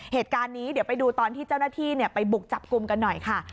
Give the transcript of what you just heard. เหตุการณ์นี้เดี๋ยวไปดูตอนที่เจ้าหน้าที่ไปบุกจับกลุ่มกันหน่อยค่ะ